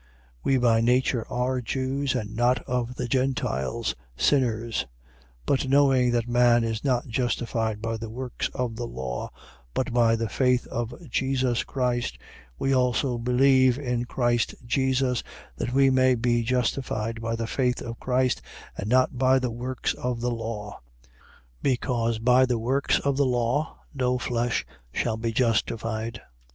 2:15. We by nature are Jews: and not of the Gentiles, sinners. 2:16. But knowing that man is not justified by the works of the law, but by the faith of Jesus Christ, we also believe in Christ Jesus, that we may be justified by the faith of Christ and not by the works of the law: because by the works of the law no flesh shall be justified.